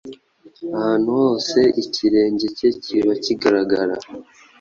Ahantu hose ikirenge cye kiba kigaragara